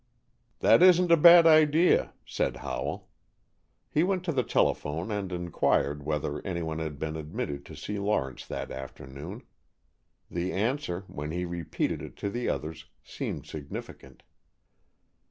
"That isn't a bad idea," said Howell. He went to the telephone and inquired whether anyone had been admitted to see Lawrence that afternoon. The answer, when he repeated it to the others, seemed significant.